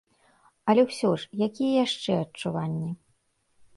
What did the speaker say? Але ўсё ж, якія яшчэ адчуванні?